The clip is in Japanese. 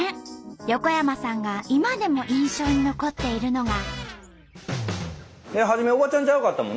横山さんが今でも印象に残っているのが。